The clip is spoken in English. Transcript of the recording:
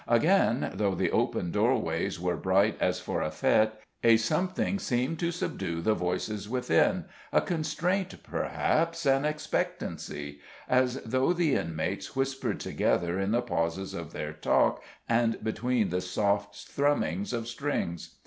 Again, though the open doorways were bright as for a fête, a something seemed to subdue the voices within a constraint, perhaps an expectancy as though the inmates whispered together in the pauses of their talk and between the soft thrumming of strings.